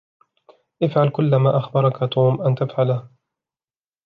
إفعل كل ما أخبركَ توم أن تفعله.